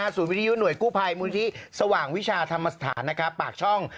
สวิริยุหน่วยกู้ภัยมุฑิสว่างวิชาธรรมศาสตร์พากช่อง